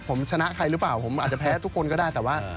ผมชนะใครหรือเปล่าผมอาจจะแพ้ทุกคนก็ได้แต่ว่า